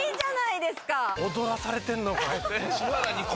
踊らされてるのか。